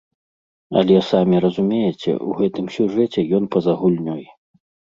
Але, самі разумееце, у гэтым сюжэце ён па-за гульнёй.